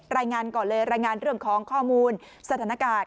รายงานก่อนเลยรายงานเรื่องของข้อมูลสถานการณ์